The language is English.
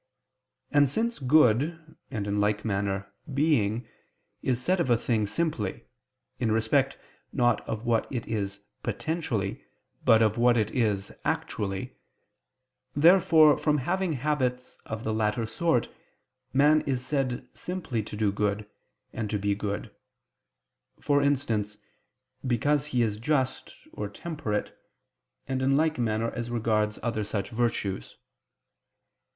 And since good, and, in like manner, being, is said of a thing simply, in respect, not of what it is potentially, but of what it is actually: therefore from having habits of the latter sort, man is said simply to do good, and to be good; for instance, because he is just, or temperate; and in like manner as regards other such virtues.